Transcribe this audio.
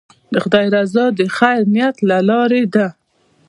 د خدای رضا د خیر نیت له لارې ده.